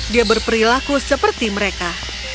dia berperilaku seperti mereka